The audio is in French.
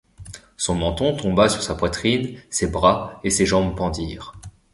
Son menton tomba sur sa poitrine, ses bras et ses jambes pendirent.